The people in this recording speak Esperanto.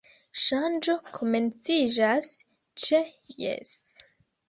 Ŝanĝo komenciĝas ĉe Jes!